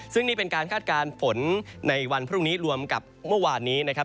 ซึ่งนี่เป็นการคาดการณ์ฝนในวันพรุ่งนี้รวมกับเมื่อวานนี้นะครับ